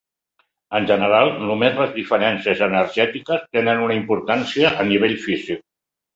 En general, només les diferències energètiques tenen una importància a nivell físic.